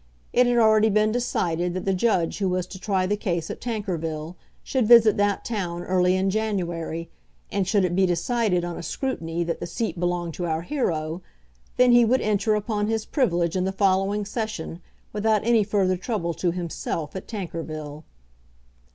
It had already been decided that the judge who was to try the case at Tankerville should visit that town early in January; and should it be decided on a scrutiny that the seat belonged to our hero, then he would enter upon his privilege in the following Session without any further trouble to himself at Tankerville.